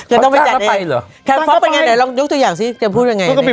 อืมมันจ้างแล้วไปเหรอแคมป์ฟ็อกเป็นยังไงลองยกตัวอย่างสิจะพูดยังไง